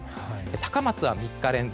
高松は３日連続